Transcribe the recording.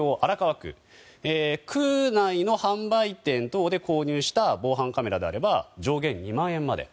区内の販売店等で購入した防犯カメラであれば上限２万円まで。